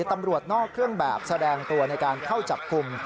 ตำรวจนอกเครื่องแบบแสดงตัวในการเข้าจับกลุ่ม